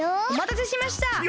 おまたせしました！